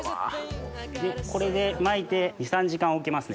これで巻いて２３時間置きますね。